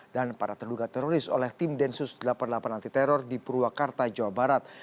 dan para terduga teroris oleh tim densus delapan puluh delapan antiteror di purwakarta jawa barat